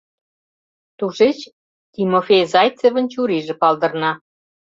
Тушеч Тимофей Зайцевын чурийже палдырна.